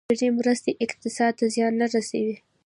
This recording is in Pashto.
بشري مرستې اقتصاد ته زیان نه رسوي.